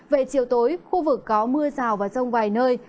về chiều tối khu vực có mưa rào và rông vài nơi